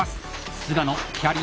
菅野キャリア